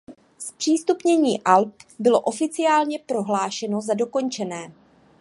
Zpřístupnění Alp bylo oficiálně prohlášeno za dokončené.